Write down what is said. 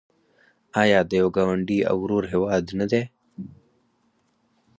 آیا د یو ګاونډي او ورور هیواد نه دی؟